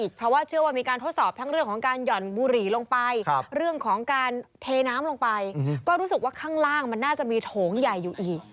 ก็รู้สึกว่าข้างล่างมันน่าจะมีโถงใหญ่อยู่อีก